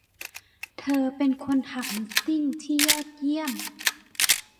เธอเป็นคนถักนิตติ้งที่ยอดเยี่ยม